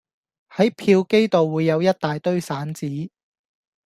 喺票機度會有一大堆散紙